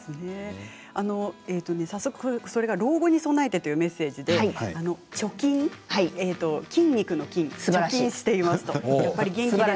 早速それが老後に備えてというメッセージで貯筋、筋肉の筋という字です。